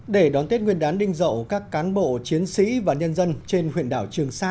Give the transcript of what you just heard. để đón tết nguyên đán đinh dậu các cán bộ chiến sĩ và nhân dân trên huyện đảo trường sa